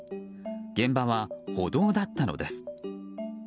現場は歩道だったのです。